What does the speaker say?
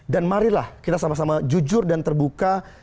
dan marilah kita sama sama jujur dan terbuka